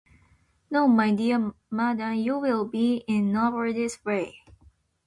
No, my dear madam, you will be in nobody's way.